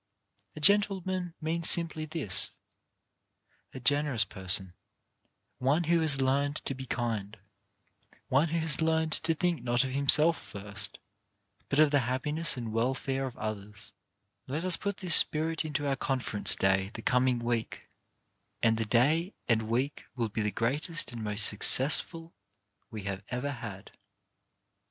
A gentleman means simply this: a generous person; one who has learned to be kind; one who has learned to think not of himself first, but of the happiness and wel fare of others. Let us put this spirit into our Conference day the coming week, and the day YOUR PART IN THE CONFERENCE 163 and week will be the greatest and most successful that we have ever had.